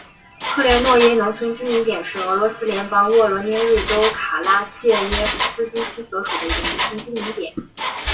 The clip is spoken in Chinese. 科连诺耶农村居民点是俄罗斯联邦沃罗涅日州卡拉切耶夫斯基区所属的一个农村居民点。